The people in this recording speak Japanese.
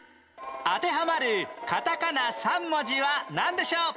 当てはまるカタカナ３文字はなんでしょう？